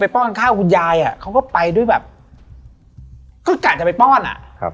ป้อนข้าวคุณยายอ่ะเขาก็ไปด้วยแบบก็กะจะไปป้อนอ่ะครับ